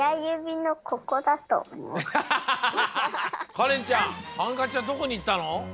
かれんちゃんハンカチはどこにいったの？